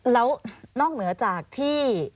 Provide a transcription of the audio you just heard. แล้วนอกเหนือจากที่